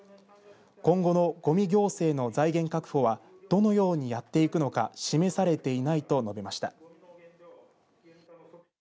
今後のごみ行政の財源確保はどのようにやっていくのか示されていないと述べました。